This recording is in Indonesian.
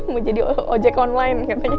mau jadi ojek online katanya